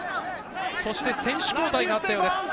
そして選手交代があったようです。